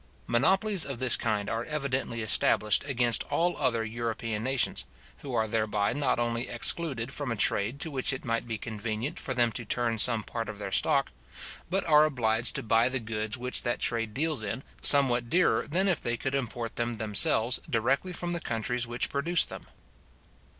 Monopolies of this kind are evidently established against all other European nations, who are thereby not only excluded from a trade to which it might be convenient for them to turn some part of their stock, but are obliged to buy the goods which that trade deals in, somewhat dearer than if they could import them themselves directly from the countries which produced them.